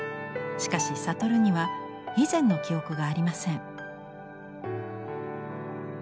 しかしさとるには以前の記憶がありません。